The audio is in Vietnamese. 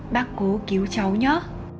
bác cố cứu cháu nhé